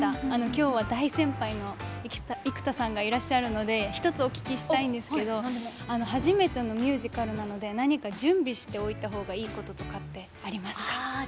今日は大先輩の生田さんがいらっしゃるので一つお聞きしたいんですけど初めてのミュージカルなので何か準備しておいたほうがいいこととかってありますか？